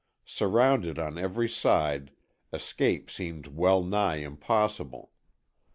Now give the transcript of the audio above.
Surrounded on every side, escape seemed well nigh impossible.